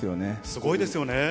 すごいですよね。